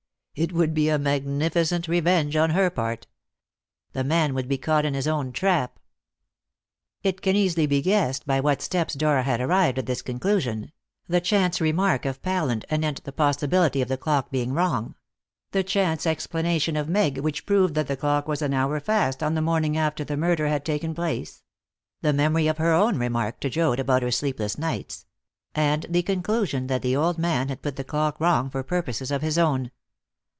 It would be a magnificent revenge on her part. The man would be caught in his own trap. It can be easily guessed by what steps Dora had arrived at this conclusion the chance remark of Pallant anent the possibility of the clock being wrong; the chance explanation of Meg which proved that the clock was an hour fast on the morning after the murder had taken place; the memory of her own remark to Joad about her sleepless nights; and the conclusion that the old man had put the clock wrong for purposes of his own.